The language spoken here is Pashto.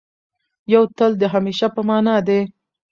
یو تل د همېشه په مانا دی.